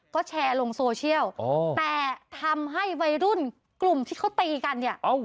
ก็แชร์ลงโซเชียลแต่ทำให้วัยรุ่นกลุ่มที่เขาตีกันเนี่ย